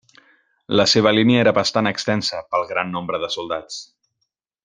La seva línia era bastant extensa, pel gran nombre de soldats.